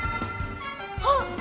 あっ！